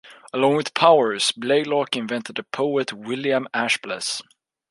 Along with Powers, Blaylock invented the poet William Ashbless.